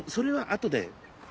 れはあとで。